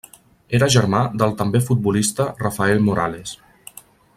Era germà del també futbolista Rafael Morales.